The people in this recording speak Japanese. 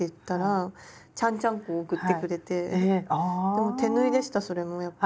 でも手縫いでしたそれもやっぱり。